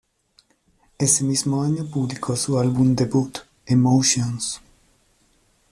Ese mismo año publicó su álbum debut, "Emotions".